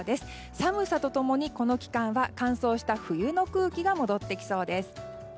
寒さと共にこの期間は乾燥した冬の空気が戻ってきそうです。